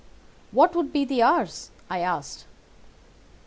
"'What would be the hours?' I asked.